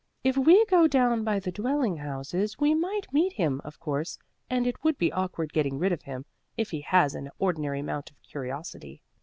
If we go down by the dwelling houses we might meet him, of course, and it would be awkward getting rid of him if he has an ordinary amount of curiosity."